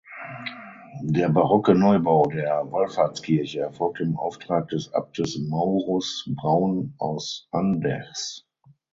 Der barocke Neubau der Wallfahrtskirche erfolgte im Auftrag des Abtes Maurus Braun aus Andechs.